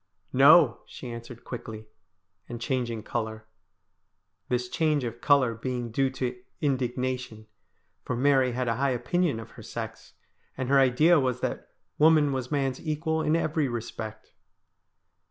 ' No,' she answered quickly, and changing colour — this change of colour being due to indignation, for Mary had a high opinion of her sex, and her idea was that woman was man's equal in every respect.